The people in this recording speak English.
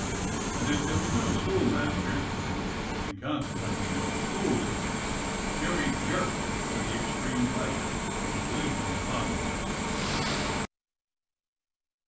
And as there was no school master, and consequently no school, Jerry Jerk had the extreme pleasure of waiting upon them.